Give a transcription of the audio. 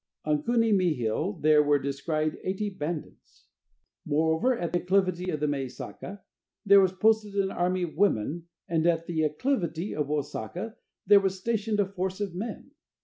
On Kuni mi Hill there were descried eighty bandits. Moreover at the acclivity of the Me Zaka there was posted an army of women, and at the acclivity of Wo Zaka there was stationed a force of men.